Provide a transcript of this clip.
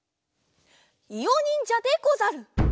いおにんじゃでござる！